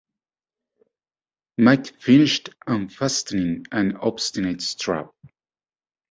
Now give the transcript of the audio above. Mike finished unfastening an obstinate strap.